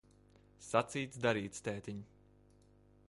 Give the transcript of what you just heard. Sacīts, darīts, tētiņ.